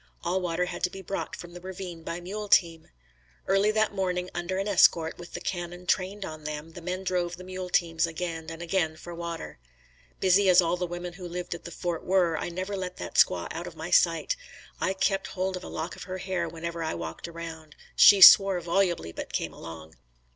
All water had to be brought from the ravine by mule team. Early that morning, under an escort, with the cannon trained on them, the men drove the mule teams again and again for water. Busy as all the women who lived at the fort were, I never let that squaw out of my sight. I kept hold of a lock of her hair whenever I walked around. She swore volubly, but came along.